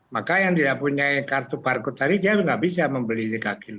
maka yang tidak punya kartu barcode tadi dia nggak bisa membeli